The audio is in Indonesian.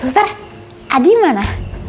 suster adi mana